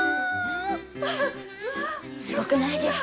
すごくないですか。